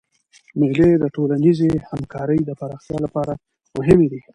مېلې د ټولنیزي همکارۍ د پراختیا له پاره مهمي دي.